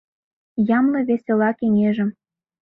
Ямле весела кеҥежым